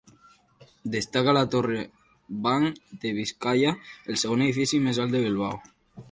Destaca la Torre Banc de Biscaia, el segon edifici més alt de Bilbao.